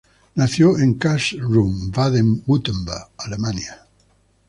Nació en Karlsruhe, Baden-Wurtemberg, Alemania.